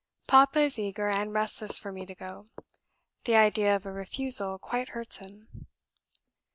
Papa is eager and restless for me to go; the idea of a refusal quite hurts him."